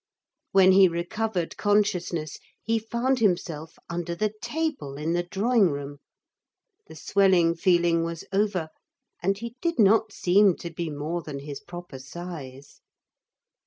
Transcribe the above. When he recovered consciousness he found himself under the table in the drawing room. The swelling feeling was over, and he did not seem to be more than his proper size.